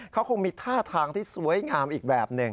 เขาคงมีท่าทางที่สวยงามอีกแบบหนึ่ง